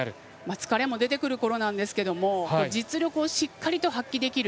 疲れも出てくるころなんですが実力をしっかり発揮できる。